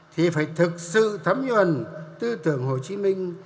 thì phải thực sự thấm nhuận tư tưởng hồ chí minh